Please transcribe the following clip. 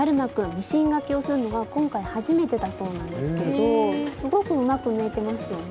ミシンがけをするのが今回初めてだそうなんですけどすごくうまく縫えてますよね。